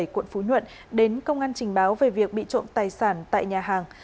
quận phú nhuận đến công an trình báo về việc bị trộm tài sản tại nhà hàng